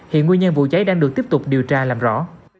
hiện nguyên nhân vụ cháy đang được tiếp tục điều tra làm rõ